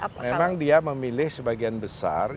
memang dia memilih sebagian besar